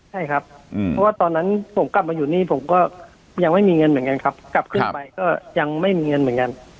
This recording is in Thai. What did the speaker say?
ใช่ครับเพราะว่าตอนนั้นผมกลับมาอยู่นี่ผมก็ยังไม่มีเงินเหมือนกันครับกลับขึ้นไปก็ยังไม่มีเงินเหมือนกัน